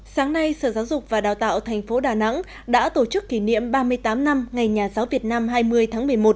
sáng nay sở giáo dục và đào tạo tp đà nẵng đã tổ chức kỷ niệm ba mươi tám năm ngày nhà giáo việt nam hai mươi tháng một mươi một